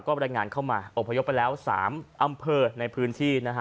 บรรยายงานเข้ามาอบพยพไปแล้ว๓อำเภอในพื้นที่นะฮะ